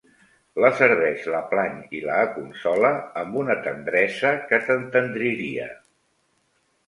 La serveix, la plany i la aconsola amb una tendresa que t'entendriria.